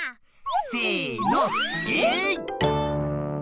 せのえい！